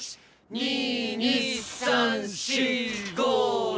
２２３４５６。